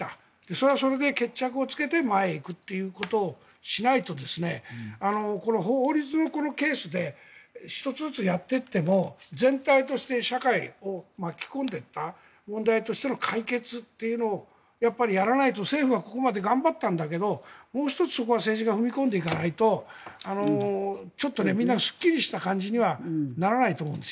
それはそれで決着をつけて前に行くということをしないとこのケースで１つずつやっていっても全体として社会を巻き込んでいった問題としての解決というのをやっぱりやらないと政府はここまで頑張ったんだけどもう１つ、そこは政治が踏み込んでいかないとちょっとみんなすっきりした感じにはならないと思うんです。